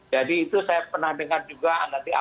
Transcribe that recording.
jadi itu saya pernah dengar juga nanti awal november